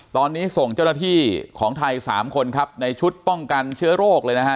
ตอนนี้ส่งเจ้าหน้าที่ของไทย๓คนครับในชุดป้องกันเชื้อโรคเลยนะฮะ